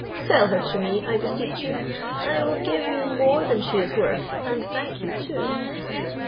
Sell her to me, I beseech you; I will give you more than she is worth and thank you too.'